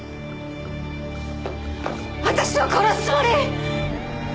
私を殺すつもり！？